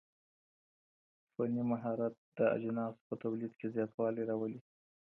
فني مهارت د اجناسو په توليد کي زياتوالی راولي.